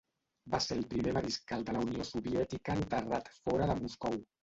Va ser el primer Mariscal de la Unió Soviètica enterrat fora de Moscou.